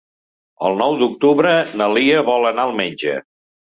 El nou d'octubre na Lia vol anar al metge.